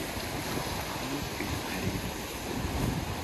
Nupeple.